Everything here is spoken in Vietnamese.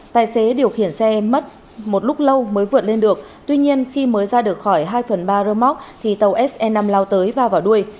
tài xế điều khiển xe mất một lúc lâu mới vượt lên được tuy nhiên khi mới ra được khỏi hai phần ba rơ móc thì tàu se năm lao tới va vào đuôi